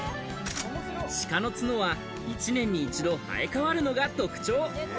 鹿の角は１年に一度生え変わるのが特徴。